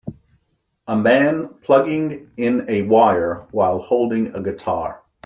A man plugging in a wire while holding a guitar.